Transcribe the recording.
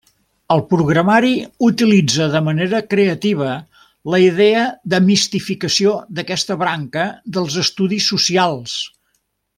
El programari utilitza de manera creativa la idea de mistificació d'aquesta branca dels estudis socials.